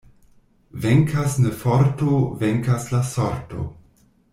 Venkas ne forto, venkas la sorto.